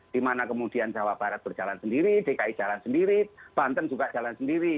dimana kemudian jawa barat berjalan sendiri dki jalan sendiri banten juga jalan sendiri